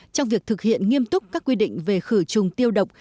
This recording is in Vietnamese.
trong việc thực hiện nghiêm túc các quy định về khử trùng tiêu độc